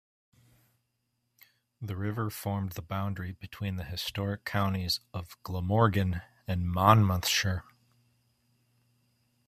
The river formed the boundary between the historic counties of Glamorgan and Monmouthshire.